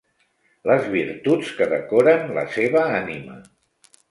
Les virtuts que decoren la seva ànima.